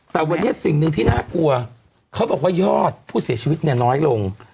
แต่วันนี้สิ่งหนึ่งที่น่ากลัวเขาบอกว่ายอดผู้เสียชีวิตเนี่ยน้อยลง